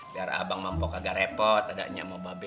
biar abang mampok agak repot ada nyiap mau babi